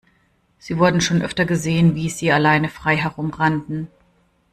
Sie wurden schon öfter gesehen, wie sie alleine frei herumrannten.